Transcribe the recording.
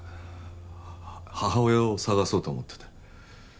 母親を捜そうと思ってて。